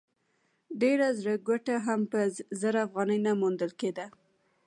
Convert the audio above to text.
ډېره زړه کوټه هم په زر افغانۍ نه موندل کېده.